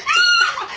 ハハハ！